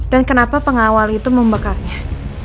dan kenapa pengawal itu membakarnya